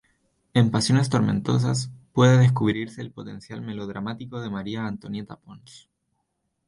En "Pasiones tormentosas", puede descubrirse el potencial melodramático de María Antonieta Pons.